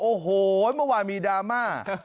โอ้โหเมื่อวานมีดราม่า